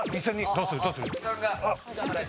どうする？